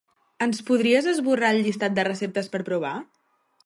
Ens podries esborrar el llistat de receptes per provar?